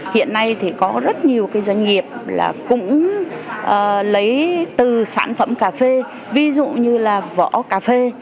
hiện nay thì có rất nhiều cái doanh nghiệp cũng lấy từ sản phẩm cà phê ví dụ như là vỏ cà phê